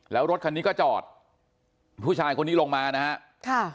แล้วรถคันนี้ก็จอดผู้ชายคนนี้ลงมานะฮะค่ะ